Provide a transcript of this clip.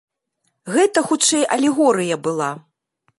Гэта хутчэй алегорыя была.